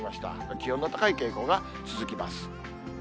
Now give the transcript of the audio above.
気温の高い傾向が続きます。